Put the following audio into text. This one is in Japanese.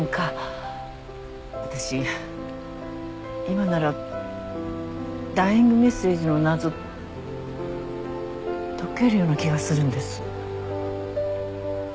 私今ならダイイングメッセージの謎解けるような気がするんです。